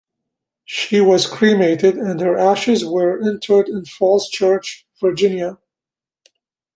She was cremated, and her ashes were interred in Falls Church, Virginia.